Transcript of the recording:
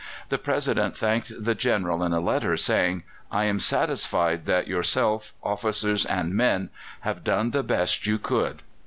The President thanked the General in a letter, saying: "I am satisfied that yourself, officers, and men have done the best you could."